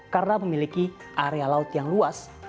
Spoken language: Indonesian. karena memiliki area laut yang luas